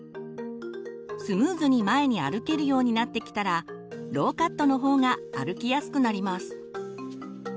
スムーズに前に歩けるようになってきたらローカットの方が歩きやすくなります。